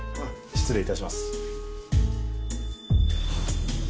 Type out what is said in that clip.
失礼いたします。